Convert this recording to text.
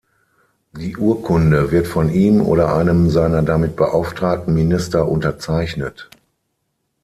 Die Urkunde wird von ihm oder einem seiner damit beauftragten Minister unterzeichnet.